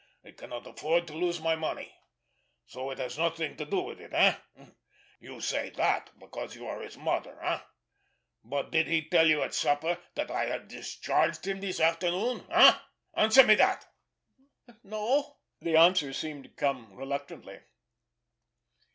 I cannot afford to lose my money. So, it has nothing to do with it, eh? You say that because you are his mother, eh? But did he tell you at supper that I had discharged him this afternoon? Eh? Answer me that!" "N no." The answer seemed to come reluctantly.